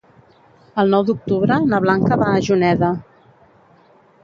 El nou d'octubre na Blanca va a Juneda.